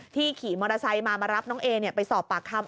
ขี่มอเตอร์ไซค์มามารับน้องเอไปสอบปากคำ